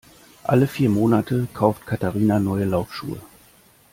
Alle vier Monate kauft Katharina neue Laufschuhe.